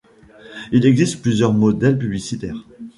Il existe plusieurs modèles publicitaires.